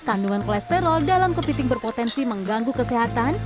kandungan kolesterol dalam kepiting berpotensi mengganggu kesehatan